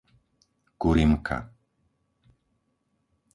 Kurimka